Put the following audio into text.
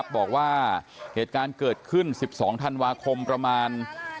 บอกว่าเหตุการณ์เกิดขึ้น๑๒ธันวาคมประมาณ